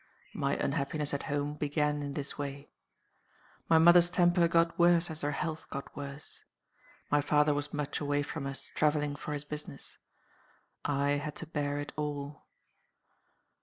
My unhappiness at home began in this way. My mother's temper got worse as her health got worse. My father was much away from us, traveling for his business. I had to bear it all.